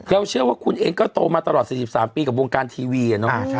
เชื่อว่าคุณเองก็โตมาตลอด๔๓ปีกับวงการทีวี